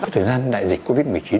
thời gian đại dịch covid một mươi chín